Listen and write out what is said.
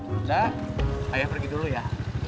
udah ayo pergi dulu ya